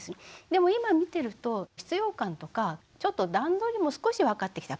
でも今見てると必要感とかちょっと段取りも少しわかってきた。